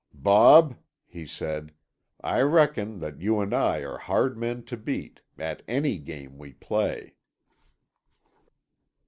"Bob," he said, "I reckon that you and I are hard men to beat—at any game we play."